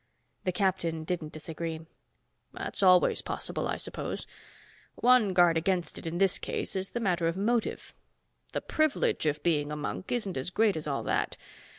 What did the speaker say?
The captain didn't disagree. "That's always possible, I suppose. One guard against it, in this case, is the matter of motive. The privilege of being a monk isn't as great as all that.